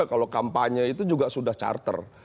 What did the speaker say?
kalau kampanye itu juga sudah charter